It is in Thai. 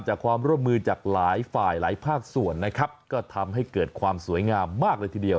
จากความร่วมมือจากหลายฝ่ายหลายภาคส่วนนะครับก็ทำให้เกิดความสวยงามมากเลยทีเดียว